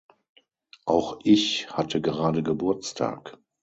Auch ich hatte gerade Geburtstag.